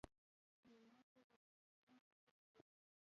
مېلمه ته د کورنۍ ادب ښيي.